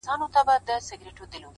هره لاسته راوړنه ثبات غواړي!